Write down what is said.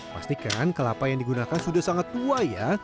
pastikan kelapa yang digunakan sudah sangat tua ya